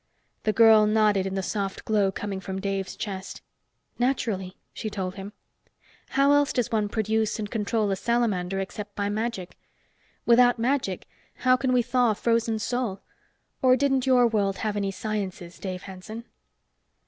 The girl nodded in the soft glow coming from Dave's chest. "Naturally," she told him. "How else does one produce and control a salamander, except by magic? Without, magic, how can we thaw a frozen soul? Or didn't your world have any sciences, Dave Hanson?"